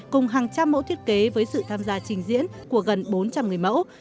cùng hàng trăm mẫu thiết kế với sự tham gia trình diễn của gần bốn trăm linh người mẫu